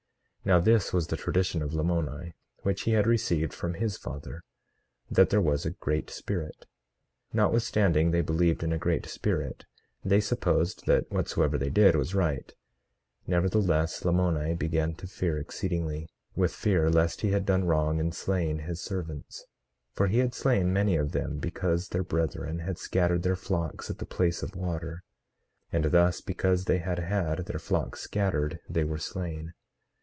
18:5 Now this was the tradition of Lamoni, which he had received from his father, that there was a Great Spirit. Notwithstanding they believed in a Great Spirit they supposed that whatsoever they did was right; nevertheless, Lamoni began to fear exceedingly, with fear lest he had done wrong in slaying his servants; 18:6 For he had slain many of them because their brethren had scattered their flocks at the place of water; and thus, because they had had their flocks scattered they were slain.